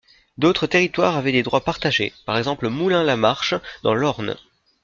D'autres territoires avaient des droits partagés, par exemple Moulins-la-Marche dans l'Orne.